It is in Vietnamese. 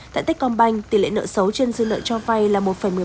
tại tết công banh tỷ lệ nợ xấu trên dư lợi cho vay là một một mươi ba